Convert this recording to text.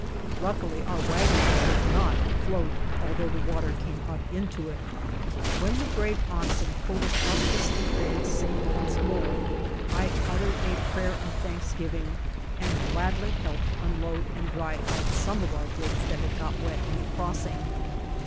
Luckily our wagon bed was not afloat, although the water came Uf) into it. When the brave oxen pulled us up the steep banks safe once more, I uttered a prayer of thanksgiving and gladly helped unload and dry out some of our goods that had got wet in the crossing.